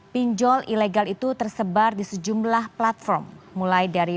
pinjol ilegal itu tersebar di sejumlah pelajaran